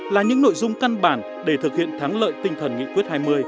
là những nội dung căn bản để thực hiện thắng lợi tinh thần nghị quyết hai mươi